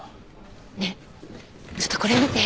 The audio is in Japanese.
ねえちょっとこれ見て。